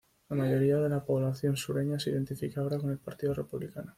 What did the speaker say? La mayoría de la población sureña se identifica ahora con el Partido Republicano.